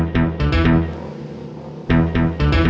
sampai jumpa lagi